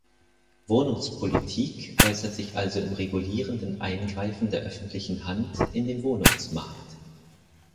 Wohnungspolitik äußert sich also im regulierenden Eingreifen der öffentlichen Hand in den Wohnungsmarkt.